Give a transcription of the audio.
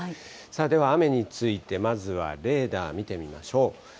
では雨について、まずはレーダー見てみましょう。